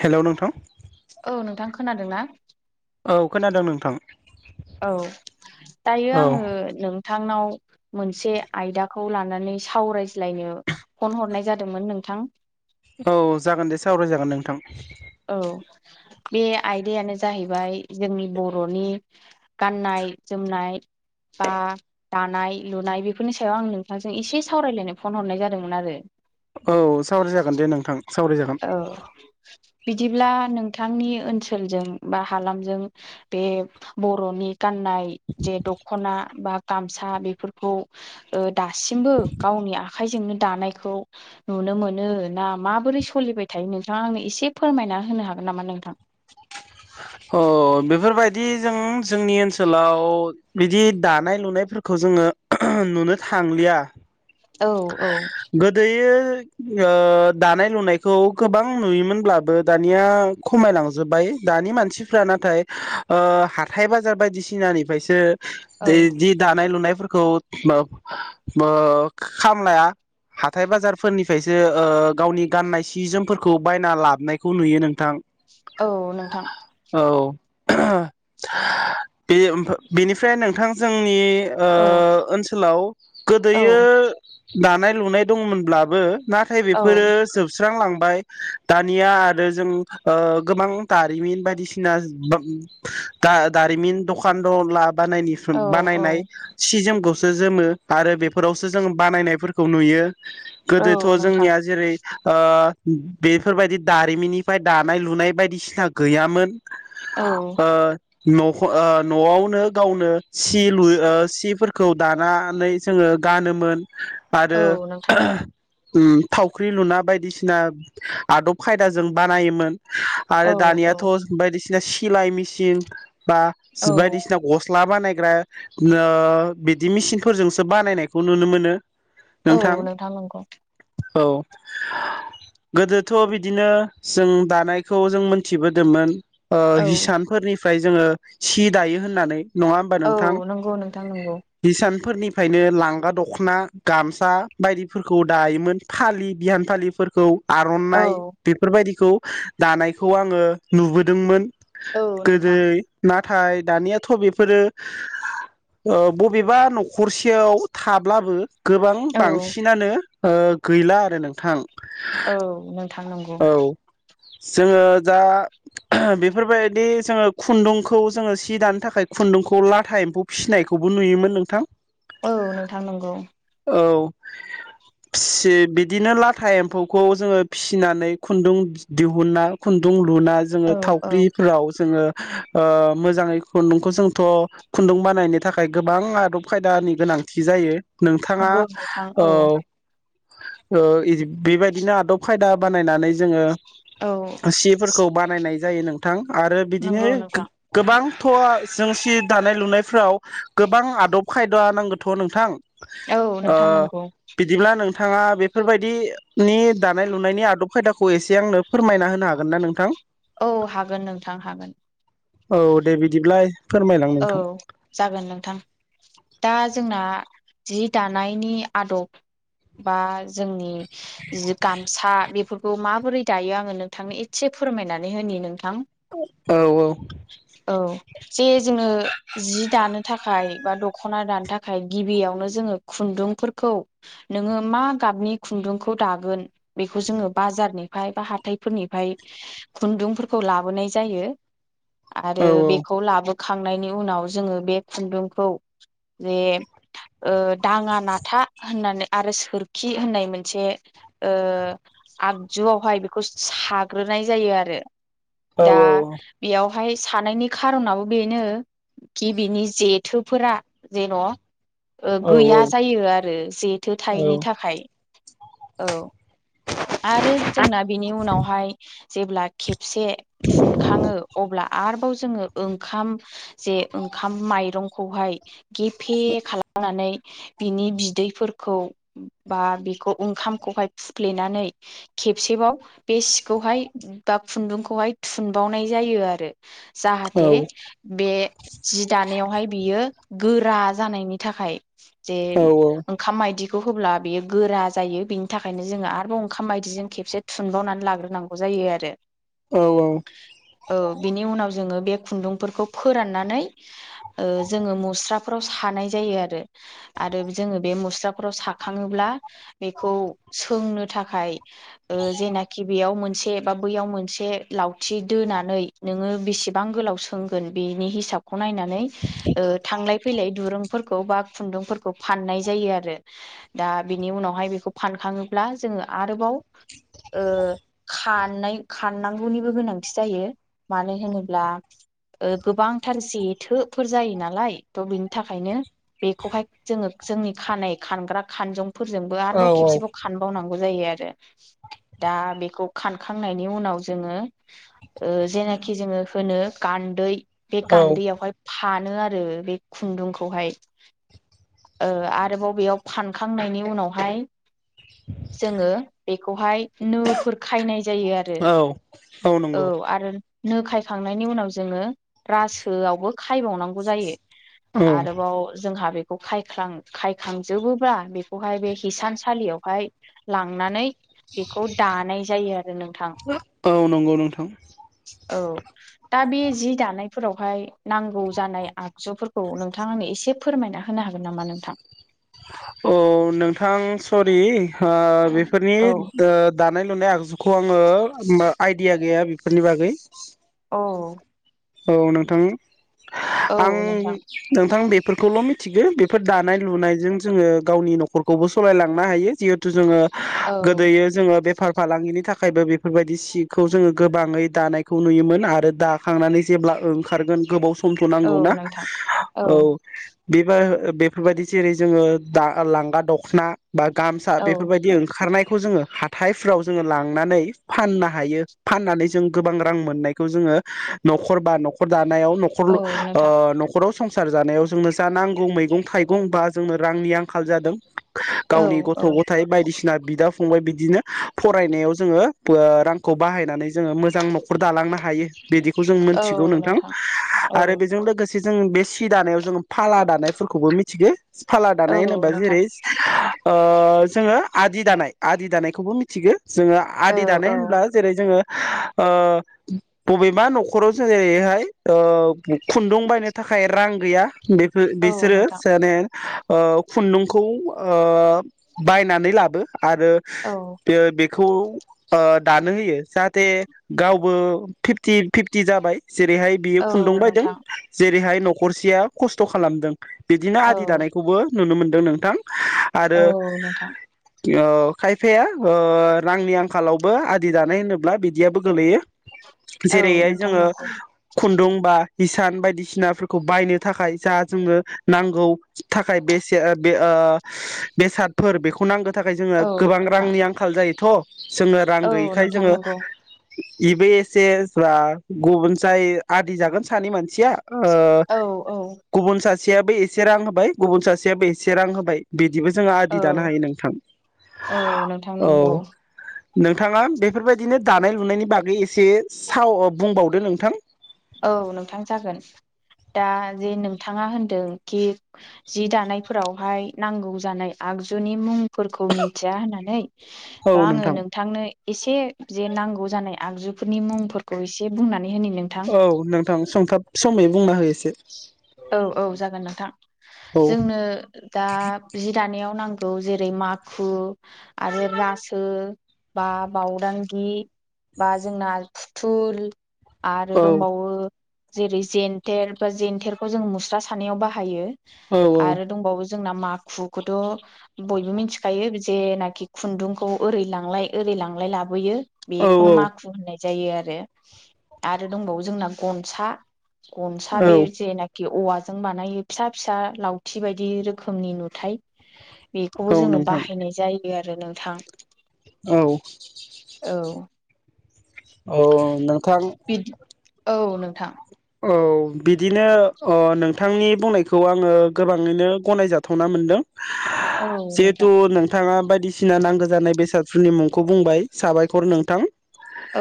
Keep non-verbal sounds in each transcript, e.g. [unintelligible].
Hello नोंथां। औ नोंथां खोनादों ना। औ खोनादों नोंथां औ दायो औ आङो नों नोंथांनाव मोनसे आयदाखौ लानानै सावरायज्लायनो फन हरनाय जादोंमोन नों थां। औ जागोन दे सावराय जागोन नोंथां। औ बे आयदायानो जाहैबाय जोंनि बर'नि गाननाय जोमनाय। बा दानाय लुनाय बेफोरनि सायाव आं नोंथांजों एसे सावरायलायनो फन हरनाय जादोंमोन आरो औ सावराय जागोन दे नोंथां सावराय औ बिदिब्ला नोंथांनि ओनसोलजों बा हालामजों बे बर'नि गाननाय जे दख'ना बा गामसा बेफोरखौ दासिमबो गावनि आखाइजोंनो दानायखौ नुनो मोनो ना माबोरै सलिबाय थायो नोंथाङा आंनो एसे फोरमायना होनो हागोन नामा नोंथां अ बेफोरबायदि जों जोंनि ओनसोलाव बिदि दानाय लुनायफोरखौ जो जोङो नुनो थांलिया औ औ गोदोयो [unintelligible] दानाय लुनायखौ गोबां नुयोमोनब्लाबो दानिया खमायलांजोबबाय दानि मानसिफ्रा नाथाय ओ हाथाय बाजार बायदिसिनानिफ्रायसो दै औ दि दानाय लुनायफोरखौ माब [unintelligible] खामलाया। हाथाय बाजारफोरनि फायसो ओ गावनि गाननाय सि जोमफोरखौ बायना लाबनायखौ नुयो नोंथां। औ नोंथां। औ बे [unintelligible] बेनिफ्राय नोंथां जोंनि ओ औ ओनसोलाव औ गोदोयो दानाय लुनाय दंमोनब्लाबो नाथाय औ बेफोरो जोबस्रांलां बाय दानिया आरो जों ओ गोबां दारिमिन बायदिसिना दा दारिमिन द'खान दन ला बानायनि औ [unintelligible] बानायनाय औ सि जोमखौसो जोमो आरो बेफोरावसो जों बानायनायफोरखौ नुयो औ गोदोथ' नोंथां जोंनिया जेरै ओ बेफोरबायदि दारिमिननिफ्राय दानाय लुनाय बायदिसिना गैयामोन। औ ओ न'खो ओ न'आवनो गावनो सि लु ओ सिफोरखौ दानानै जोङो ओ गानोमोन औ आरो नोंथां उम थावख्रि लुना बायदिसिना आदब खायदाजों बानायोमोन। औ आरो औ दानियाथ' बायदिसिना सिलाय मिसिन बा औ जि बायदिसिना गस्ला बानायग्रा नो बिदि मिसिनफोरजोंसो बानायनाय खौ नुनो मोनो। औ नोंथां नंगौ। औ गोदोथ' बिदिनो जों दानायखौ जों मोनथिबोदोंमोन। ओ औ हिसानफोरनिफ्राय जोङो सि दायो होननानै नङा होमबा नोंथां औ नंगौ नोंथां नंगौ हिसानफोरनिफ्रायनो लां गा दख'ना गामसा बायदिफोरखौ दायोमोन फालि बिहान फालिफोरखौ आर'नाइ औ बेफोरबायदिखौ दानायखौ आङो नुबोदोंमोन। औ नोंथां गोदोयो नाथ थाय दानियाथ' बेफोरो ओ बबेबा न'खरसेयाव थाब्लाबो गोबां औ बांसिनानो ओ गैला आरो नोंथां। औ नोंथां नंगौ। औ जोङो दा बेफोरबायदि जोङो खुन्दुंखौ जोङो सि दानो थाखाय खुन्दुंखौ लाथा एम्फौ फिसिनायखौ खौबो नुयोमोन नोंथां। औ नोंथां नंगौ। औ फिसि बिदिनो लाथा एम्फौखौ जोङो फिस फिनानै खुन्दुं दिहुनना खुन्दुं लुना जोङो औ औ थावख्रिफोराव जोङो ओ मोजाङै खुन्दुंखौ जोंथ' खुन्दुं बानायनो थाखाय गोबां आदब खायदानि गोनांथि जायो नोंथाङा नंगौ नोंथां ओ औ ओ इदि बेबायदिनो आदब खायदा बानायनानै जोङो औ सिफोरखौ बानायनाय जायो नोंथां। आरो बिदिनो नंगौ नोंथां गो-गोबांथ' जों सि दानाय लुनायफ्राव गोबां आदब खायदा नांगोथ' नोंथां। औ ओ नोंथां नंगौ बिदिब्ला नोंथाङा बेफोरबायदिनि दा नाय लुनायनि आदब खायदाखौ एसे आंनो फोरमायना होनो हागोन ना नोंथां? औ हागोन नोंथां हागोन औ दे बिदिब्ला फोरमायलां औ नोंथां जागोन नोंथां दा जोंना जि दानायनि आदब बा जोंनि गामसा बेफोरखौ माबोरै दायो आङो नोंथांनो एसे फोरमायनानै होनि नों औ औ औ जे जोङो जि दानो थाखाय बा दख'ना दानो थाखाय गिबियावनो जोङो खुन्दुंफोरखौ नोङो मा गाबनि खुन्दुंखौ दागोन बेखौ जोङो बाजारनिफ्राय बा हा खुन्दुं फोरखौ लाबोनाय जायो आरो औ बेखौ खांनायनि उनाव जोङो बे खुन्दुंखौ जे ओ दाङा नाथा होननानै आरो सोरखि होननाय मोनसे आगजुआवहाय बेखौ साग्रोनाय जायो आरो औ दा बेयावहाय सानायनि खारनाबो बेनो कि बेनि जेथोफोरा जेन' गैया औ जायो आरो जेथो औ थायैनि थाखाय औ आरो जोंना बेनि उनावहाय जेब्ला खेबसे थुनखाङो अब्ला आरोबाव जोङो ओंखाम जे ओंखाम माइरंखौहाय गेफे खालामनानै बिनि बिदैफोरखौ बा बिखौ ओंखामखौहाय फुफ्लेनानै खेबसेबाव बे सिखौहाय बा खुन्दुंखौहाय थुनबावनाय जायो आरो औ जाहाथे बे जि दान बेयो गोरा जानायनि थाखाय जे औ ओंखाम माइदिखौ होब्ला बेयो गोरा जायो बेनि थाखायनो जोङो आरोबाव ओंखाम बायदिजों खेबसे थुनबावनानै लाग्रोनांगौ जायो आरो औ बिनि उनाव जोङो बे खुन्दुंफोरखौ फोराननानै जोङो मुस्राफोराव सानाय जायो आरो आरो जोङो बे मुस्राफोराव साखाङोब्ला बेखौ सोंनो जेनाखि बेयाव मोनसे बा बैयाव मोनसे लाउथि दोननानै नोङो बेसेबां गोलाव सोंगोन बेनि हिसाबखौ नायनानै थांलाय फैलाय दुरुं फोरखौ बा खुन्दुंफोरखौ फाननाय जायो आरो दा बेनि उनावहाय बेखौ फानखाङोब्ला जोङो आरो बाव खारनाय खारनांगौनिबो गोनांथि जायो मानो होनोब्ला गोबांथार जेथोफोर जायो नालाय थ' बिनि थाखायनो बेखौहाय जोङो जोंनि खानाय खानग्रा खानजंफोरजोंबो आरोबाव औ खेबसेबाव खानबावनांगौ आरो दा बेखौ खानखांनायनि उनाव जोङो जेनाखि जोङो होनो गान्दै बे गान्दैयावहाय फानो आरो बे खुन्दुंखौहाय आरोबाव बेयाव फानखांनायनि उनावहाय जोङो बेखौहाय नोफोर खायनाय जायो आरो औ औ नंगौ आरो नो खायखांनायनि उनाव जोङो रासोआवबो खायबावनांगौ जायो औ आरोबाव जोंहा बे खायखांजोबोब्ला बेखौहाय बे हिसानसालियावहाय लांनानै बेखौ दानाय जायो आरो नोंथां औ नंगौ नोंथां औ दा बे जि दानायफोरावहाय नांगौ जानाय आ आगजुफोरखौ नोंथां आंनो एसे फोरमायना होनो हागोन नामा नोंथां औ नोंथां सरि ओ बेफोरनि औ दानाय लुनाय आगजुखौ आङो आइडिया गैया बेफोरनि बागै औ औ नोंथां औ आं नोंथां नोंथां बे बेफोरखौल' मिथिगो बेफोर दानाय लुनायजों जोङो गावनि नखरखौबो सलायलांनो हायो जिहेथु जोंङो औ गोदोयो जोंङो बेफार फालांगिनि थाखायबो बेफोरबायदि सिखौ जोङो गोबाङै दानायखौ नुयोमोन आरो दाखांनानै जेब्ला ओंखारगोन गोबाव समथ' औ नांगौना नोंथां औ बेबा ओ बेफोरबायदि जेरै जोंङो दा लांगा दखना बा गामसा औ बेफोरबायदि ओंखारनाय खौ जोंङो हाइथायफोराव जोंङो लांनानै फाननो हायो फाननानै जों गोबां रां मोननायखौ जोंङो नख'र बा नख'र दानायाव नख'र औ नोंथां ओ नख'राव संसार जानायाव जोंनो जा नांगौ मैगं थाइगं बा जोंनो रांनि आंखाल जादों औ गावनि गथ औ गथाय बायदिसि ना बिदा फंबाय बिदिनो फरायनायाव जोंङो ओ रांखौ बाहायनानै जोंङो मोजां नखर दालां नो हायो बिदिखौ जों मोनथिगौ नोंथां औ आरो बेजों लोगोसे जों बे सि दानायाव जोंङो फाला दानायफोरखौबो मिथिगो फाला औ दानाय होनोबा नोंथां जेरै ओ जोंङो आदि दानाय आदि दानायखौबो मिथिगो जोंङो औ आदि दानाय औ होनब्ला जेरै जोंङो ओ बबेबा न खराव जेरैहाय ओ खुन्दुं बायनो थाखाय रां गैया बेफोर औ बिसोरो नोंथां जाने ओ खुन्दुंखौ ओ बायनानै लाबो आरो औ बे बे खौ ओ दानो होयो जाहाथे गावबो फिफ्टि फिफ्टि जाबाय जेरैहाय बियो औ खुन्दुं बायदों नोंथां जेरैहाय नखरसेया खस्थ खालामदों बिदिनो आदि औ दानायखौबो नुनो मोनदों नोंथां आरो औ नोंथां ओ खायफाया ओ रांनि आंखालावबो आदि दानाय होनोब्ला बिदियाबो गोलैयो [inaudible] जैरैहाय नोंथां जोङो नंगौ खुन्दुं बा हि सान बायदिसिनाफोरखौ बायनो थाखाय जा जोंनो नांगौ थाखाय बेसे बे ओ बेसादफोर बेखौ नांगोन थाखाय जोंङो औ गोबां नोंथां रांनि आंखाल जायोथ' जोंङो रां औ गैयैखाय नोंथां जोंङो नंगौ नैबे एसे जा गुबुन जाय आदि जागोन सानै मानसिया ओ औ औ गुबुन सा सेयाबो एसे रां होबाय गुबुन सासेयाबो एसे रां होबाय बि दिबो जोङा आदि औ दानो हायो नोंथां औ नोंथां नंगौ औ नोंथाङा बेफोरबायदिनो दानाय लुनायनि बागै एसे साव बुंबावदो नोंथां औ नोंथां जागोन दा जे नोंथाङा होनदों खि जि दानायफोरावहाय नांगौ जानाय आ आगजुनि मुंफोरखौ मिनथिया होननानै औ दा आंङो नोंथां नोंथांनो एसे जे नांगौ जानाय आगजुफोरनि मुंफोरखौ एसे बुंनानै होनि नों औ नोंथां संथाब समै बुंना हो एसे औ औ जागोन नोंथां औ जोंनो दा जि दानायाव नां गौ जेरै माखु आरो रासो बा बावदांगि बा जोंना फुथुल आरो औ दंबावो जेरै जेन्थेर बा जेन्थेरखौ जों मुस्रा सानायाव बाहायो आरो दंबावो जोंना माखुखौथ' बयबो मिथिखायो जेनाखि खुन्दुंखौ ओरै लांलाय ओरै लांलाय लाबोयो औ बेखौनो माखु होननाय जायो आरो आरो दंबावो जोंना गनसा गनसा बे जे ना खि औवाजों बानायो फिसा फिसा लावथि बायदि रोखोमनि नुथाय औ बेखौबो जोङो नोंथां बाहायनाय जायो आरो नोंथां औ औ औ नोंथां। बिदि औ नोंथां औ बिदिनो नोंथांनि बुंनायखौ आङो गोबाङैनो गनाय जाथावना मोनदों। औ नोंथां जिहेथु नोंथाङा बायदिसिना नांगौ जानाय बेसाद फोरनि मुंखौ बुंबाय साबायखर नोंथां।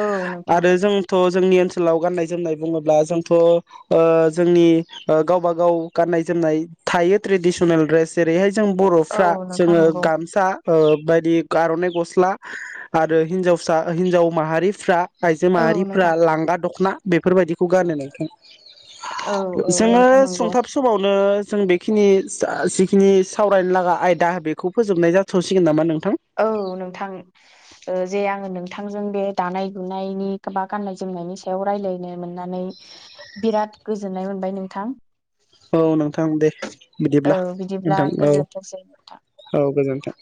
औ नोंथां। आरो जोंथ' जोंनि ओनसोलाव गाननाय जोमनाय बुङोब्ला जों जोंनि गावबा गाव गाननाय जोमनाय थायो ट्रेडिसनेल द्रेस जेरैहाय जों औ बर'फ्रा नोंथां जोङो नंगौ गामसा बायदि आरनाइ गस्ला आरो हिन्जावसा हिन्जाव माहारिफ्रा आयजो औ माहारिफ्रा नोंथां लांगा दख'ना बेफोर बायदिखौ नोंथां। औ औ जोङो नोंथां नंगौ सुंथाब समावनो। जों बेखिनि जिखिनि सावरायनो लागा आयदा बेखौ फोजोबनाय जाथ'सिगोन नामा नों औ नोंथां जे आं नोंथांजों बे दानाय लुनायनि बा गाननाय जोमनायनि सायाव रायलायनो मोननानै बिराद गोजोननाय मोनबाय नोंथां। औ नोंथां दे औ बिदिब्ला बिदिब्ला नोंथां औ। गोजोनथोंसै नोंथां। औ गोजोन्थों।